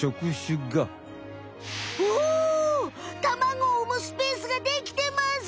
ほう卵を産むスペースができてます！